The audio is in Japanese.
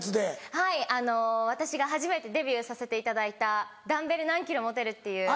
はいあの私が初めてデビューさせていただいた『ダンベル何キロ持てる？』っていう。